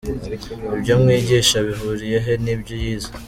Ibyo mwigisha bihuriye he n’ibyo yize?.